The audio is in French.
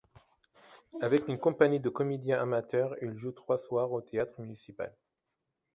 Avec une compagnie de comédiens amateurs, il joue trois soirs au théâtre municipal.